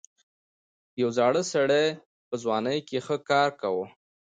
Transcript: یو زاړه سړي په ځوانۍ کې ښه ښکار کاوه.